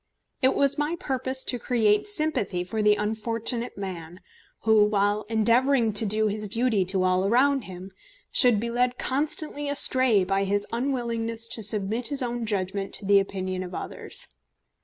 It was my purpose to create sympathy for the unfortunate man who, while endeavouring to do his duty to all around him, should be led constantly astray by his unwillingness to submit his own judgment to the opinion of others.